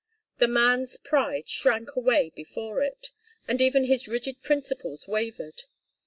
The man's pride shrank away before it, and even his rigid principles wavered.